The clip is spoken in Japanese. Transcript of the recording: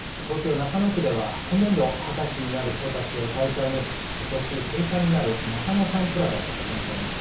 中野区では今年度二十歳になる人たちを対象にことし閉館になる中野サンプラザで行われました。